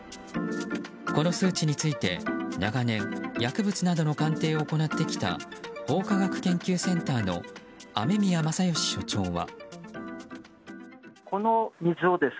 この数値について長年薬物などの鑑定を行ってきた法科学研究センターの雨宮正欣所長は。